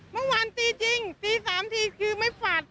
เมื่อวานตีจริงตี๓ทีคือไม่ฝาด